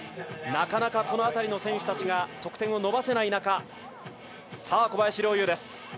なかなかこの辺りの選手たちが得点を伸ばせない中さあ、小林陵侑です。